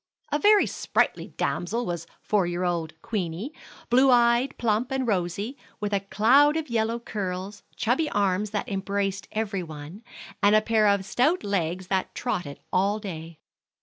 A very sprightly damsel was four year old Queenie, blue eyed, plump, and rosy, with a cloud of yellow curls, chubby arms that embraced every one, and a pair of stout legs that trotted all day.